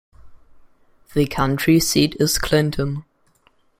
The county seat is Clinton.